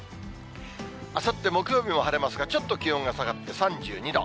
あさって木曜日も晴れますが、ちょっと気温が下がって３２度。